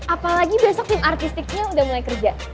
apalagi besok tim artistiknya udah mulai kerja